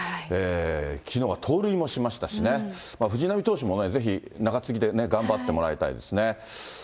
きのうは盗塁もしましたしね、藤浪投手もぜひ中継ぎで、頑張ってもらいたいですね。